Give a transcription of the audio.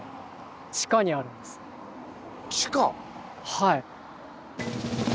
はい。